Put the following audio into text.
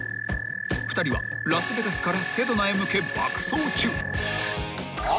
２人はラスベガスからセドナへ向け爆走中］